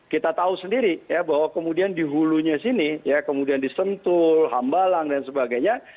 kita tahu sendiri ya bahwa kemudian di hulunya sini ya kemudian di sentul hambalang dan sebagainya